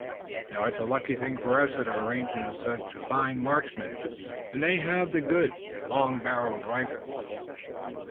Now, it's a lucky thing for us that our rangers are such fine marksmen, and that they have the good, long barreled rifles."